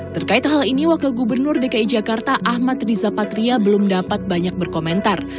terkait hal ini wakil gubernur dki jakarta ahmad riza patria belum dapat banyak berkomentar